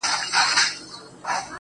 • بغاوت دی سرکښي ده، زندگي د مستۍ نوم دی